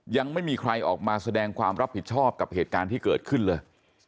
ยังไม่มีใครออกมาแสดงความรับผิดชอบกับเหตุการณ์ที่เกิดขึ้นเลย